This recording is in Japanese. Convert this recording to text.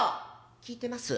「聞いてます。